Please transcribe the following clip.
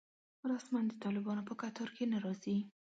رسماً د طالبانو په کتار کې نه راځي.